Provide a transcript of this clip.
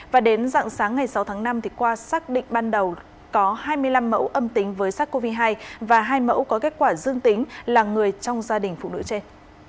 và đến dạng sáng ngày sáu tháng năm qua xác định ban đầu có hai mươi năm mẫu âm tính với sars cov hai và hai mẫu có kết quả dương tính là người trong gia đình phụ nữ trên